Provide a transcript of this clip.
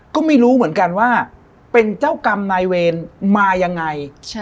ก็ไม่รู้เหมือนกันว่าเป็นเจ้ากรรมนายเวรมายังไง